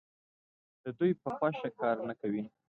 د دوی په خوښه کار نه کوي.